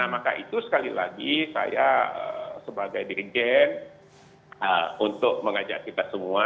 maka itu sekali lagi saya sebagai dirjen untuk mengajak kita semua